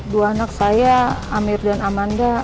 dua anak saya amir dan amanda